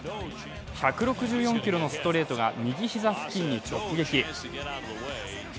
１６４キロのストレートが右膝付近に直撃。